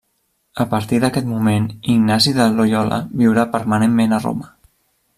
A partir d'aquest moment Ignasi de Loiola viurà permanentment a Roma.